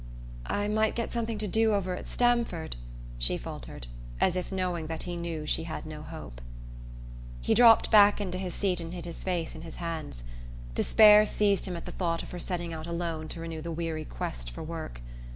"I might get something to do over at Stamford," she faltered, as if knowing that he knew she had no hope. He dropped back into his seat and hid his face in his hands. Despair seized him at the thought of her setting out alone to renew the weary quest for work.